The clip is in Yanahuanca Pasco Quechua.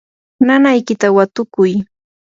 nanaykita watukuy.